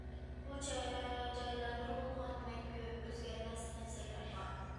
بۇ جايدا نۇرغۇنلىغان مەڭگۈ ئۆزگەرمەس مەنزىرىلەر بار.